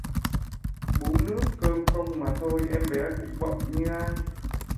Bú nước cơm không mà thôi, em bé cũng bậm như ai